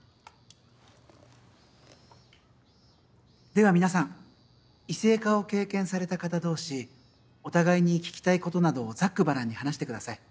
では皆さん異性化を経験された方同士お互いに聞きたいことなどをざっくばらんに話してください。